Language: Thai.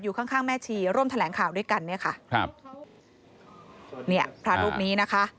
อยู่ข้างแม่ชีร่วมแถลงข่าวด้วยกัน